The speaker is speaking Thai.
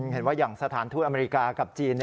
เห็นว่าอย่างสถานทูตอเมริกากับจีน